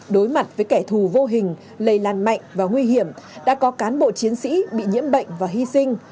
đối mặt với kẻ thù vô hình lây lan mạnh và nguy hiểm đã có cán bộ chiến sĩ bị nhiễm bệnh và hy sinh